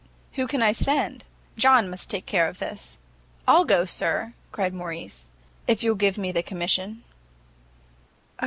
"Who can I send? John must take care of this." "I'll go, sir," cried Morrice, "if you'll give me the commission."